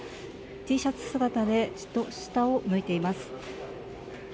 Ｔシャツ姿でずっと下を向いています。